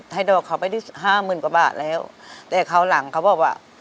ให้ดอกเขาไปห้ามื่นกว่าบาทแล้วแต่เขาหลังเขาบอกว่า